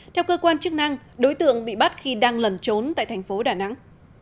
theo cơ quan chức năng đối tượng bị bắt khi đang lẩn trốn tại thành phố đà nẵng